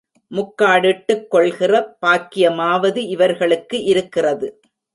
முக்காடிட்டுக் கொள்கிற பாக்யமாவது இவர்களுக்கு இருக்கிறது.